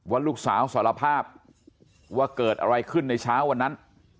ว่าลูกสาวสารภาพว่าเกิดอะไรขึ้นในเช้าวันนั้น